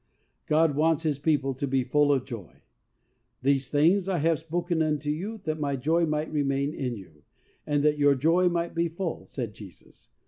God wants His people to be full of joy. "These things have I spoken unto you, that my joy might remain in you and that your joy might be full," said Jesus.